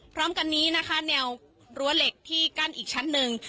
พร้อมกันนี้นะคะแนวรั้วเหล็กที่กั้นอีกชั้นหนึ่ง